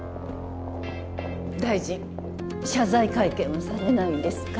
大臣謝罪会見はされないんですか？